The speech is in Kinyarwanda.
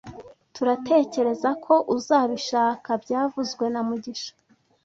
turatekerezako uzabishaka byavuzwe na mugisha